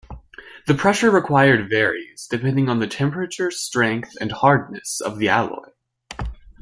The pressure required varies, depending on the temperature, strength, and hardness of the alloy.